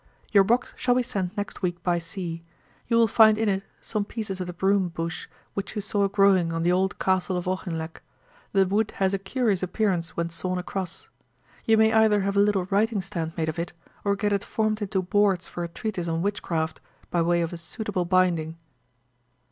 'Your box shall be sent next week by sea. You will find in it some pieces of the broom bush, which you saw growing on the old castle of Auchinleck. The wood has a curious appearance when sawn across. You may either have a little writing stand made of it, or get it formed into boards for a treatise on witchcraft, by way of a suitable binding.'